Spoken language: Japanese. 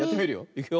いくよ。